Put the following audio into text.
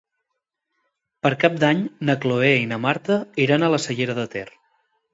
Per Cap d'Any na Cloè i na Marta iran a la Cellera de Ter.